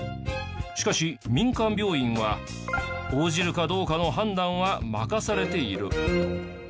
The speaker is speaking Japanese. しかし民間病院は応じるかどうかの判断は任されている。